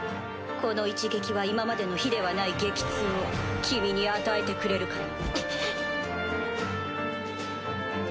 この一撃は今までの比ではない激痛を君に与えてくれるから。